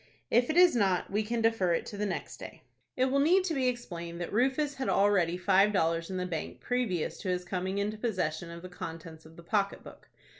"If it is not, we can defer it to the next day." It will need to be explained that Rufus had already five dollars in the bank previous to his coming into possession of the contents of the pocket book.